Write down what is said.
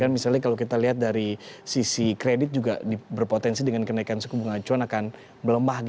misalnya kalau kita lihat dari sisi kredit juga berpotensi dengan kenaikan suku bunga acuan akan melemah